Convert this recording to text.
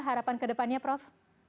harapan ke depannya prof